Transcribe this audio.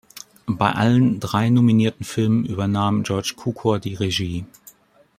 Bei allen drei nominierten Filmen übernahm George Cukor die Regie.